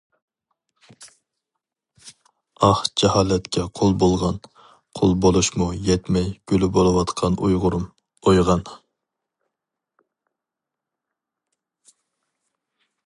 ئاھ، جاھالەتكە قۇل بولغان، قۇل بولۇشمۇ يەتمەي كۈل بولۇۋاتقان ئۇيغۇرۇم، ئويغان!